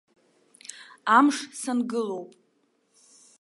Амш сангылоуп.